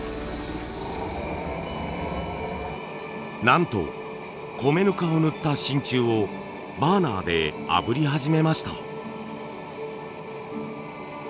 なんと米ぬかを塗った真鍮をバーナーであぶり始めました。